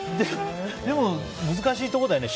でも、難しいとこだよね。